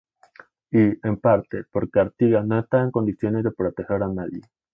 Y, en parte, porque Artigas no estaba en condiciones de proteger a nadie.